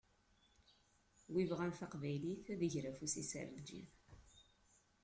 Win yebɣan taqbaylit ad iger afus-is ɣer lǧib.